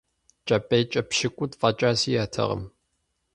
КӀэпӀейкӀэ пщыкӀутӀ фӀэкӀа сиӏэтэкъым.